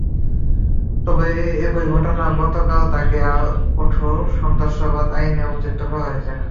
তবে একই ঘটনায় গতকাল তাঁকে আরও কঠোর সন্ত্রাসবাদ আইনে অভিযুক্ত করা হয়।